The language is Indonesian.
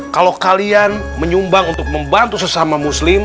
kalau kalian menyumbang untuk membantu sesama muslim